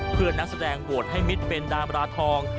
เพื่อนนักแสดงวอดให้มิสเป็นดาบราทอง